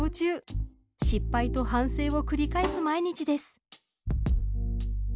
失敗と反省を繰り返す毎日です。